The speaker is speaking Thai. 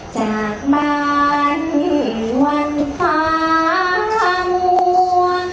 จากบ้านวันฟ้าหังวะ